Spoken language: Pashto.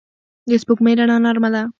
د سپوږمۍ رڼا نرمه ده